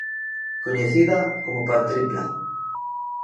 Coñecida como Patripla.